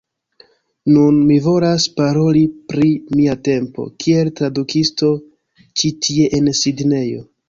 Nun, mi volas paroli pri mia tempo kiel tradukisto ĉi tie en Sidnejo.